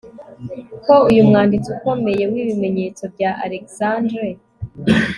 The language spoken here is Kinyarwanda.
ko uyu mwanditsi ukomeye wibimenyetso bya alexandre